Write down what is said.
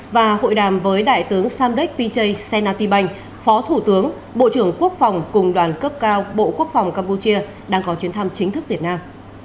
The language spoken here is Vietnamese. và hội đàm với đại tướng samdek piche sennatibank phó thủ tướng bộ trưởng quốc phòng cùng đoàn cấp cao bộ quốc phòng campuchia đang có chuyến thăm chính thức việt nam